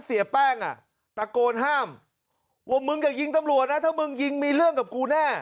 เสียแป้งอ่ะตะโกนห้ามว่ามึงอย่ายิงตำรวจนะถ้ามึงยิงมีเรื่องกับกูแน่